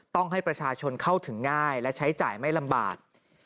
ต้องให้ประชาชนเข้าถึงง่ายและใช้จ่ายไม่ลำบาก